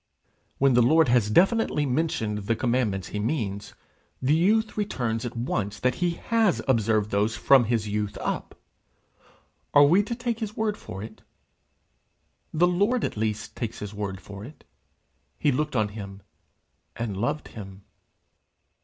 When the Lord has definitely mentioned the commandments he means, the youth returns at once that he has observed those from his youth up: are we to take his word for it? The Lord at least takes his word for it: he looked on him and loved him.